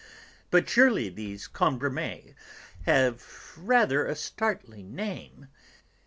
But surely these Cambremers have rather a startling name.